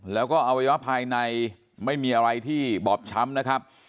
แล้วก็อวัยวะภายในไม่มีอะไรที่บอบช้ำนะครับ